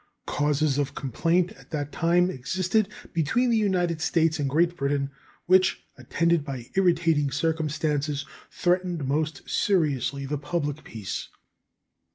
Causes of complaint at that time existed between the United States and Great Britain which, attended by irritating circumstances, threatened most seriously the public peace.